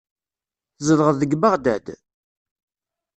Tzedɣeḍ deg Beɣdad?